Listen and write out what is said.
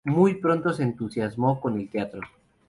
Muy pronto se entusiasmó con el teatro.